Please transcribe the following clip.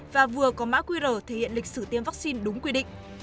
và vừa có mã qr thể hiện lịch sử tiêm vaccine đúng quy định